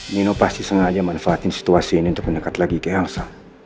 nino pasti sengaja manfaatin situasi ini untuk mendekat lagi ke hangsa